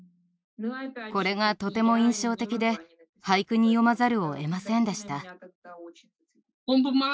これがとても印象的で俳句に詠まざるをえませんでした。